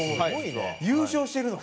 優勝してるの？